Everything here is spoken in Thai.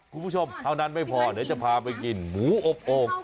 คุณผู้ชมเท่านั้นไม่พอเดี๋ยวจะพาไปกินหมูอบโอ่ง